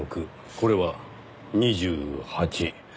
これは２８。